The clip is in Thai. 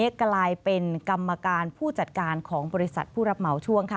กลายเป็นกรรมการผู้จัดการของบริษัทผู้รับเหมาช่วงค่ะ